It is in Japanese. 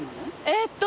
えっと